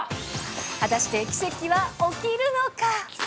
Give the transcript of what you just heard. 果たして奇跡は起きるのか。